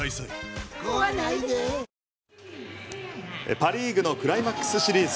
パ・リーグのクライマックスシリーズ。